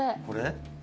これ？